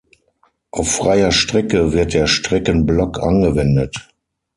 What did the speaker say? Auf freier Strecke wird der Streckenblock angewendet.